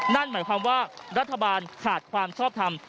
นั่นหมายความว่ารัฐบาลขาดความชอบทำ